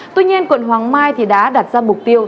tuy nhiên quận hoàng mai thì đã đặt ra mục tiêu